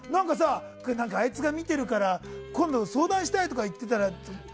何かあいつが見てるから今度相談したいって言ったら。